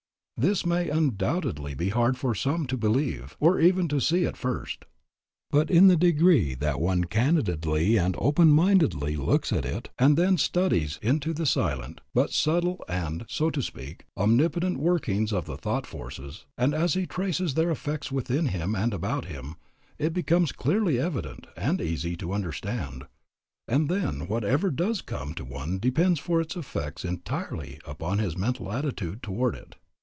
This may undoubtedly be hard for some to believe, or even to see, at first. But in the degree that one candidly and open mindedly looks at it, and then studies into the silent, but subtle and, so to speak, omnipotent workings of the thought forces, and as he traces their effects within him and about him, it becomes clearly evident, and easy to understand. And then whatever does come to one depends for its effects entirely upon his mental attitude toward it.